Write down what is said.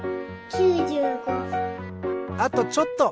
あとちょっと！